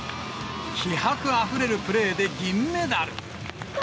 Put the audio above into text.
気迫あふれるプレーで銀メダル。